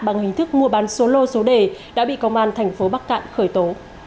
bằng hình thức mua bán số lô số đề đã bị công an thành phố bắc cạn khởi tố